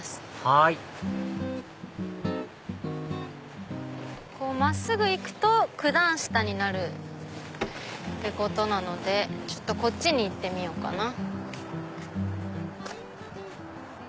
はい真っすぐ行くと九段下になるってことなのでちょっとこっちに行ってみようかな。